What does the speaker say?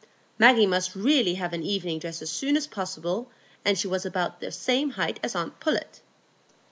Maggie must really have an evening dress as soon as possible, and she was about the same height as aunt Pullet.